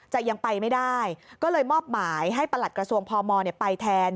ยังไปไม่ได้ก็เลยมอบหมายให้ประหลัดกระทรวงพมไปแทน